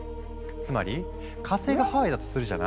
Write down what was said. つまり火星がハワイだとするじゃない？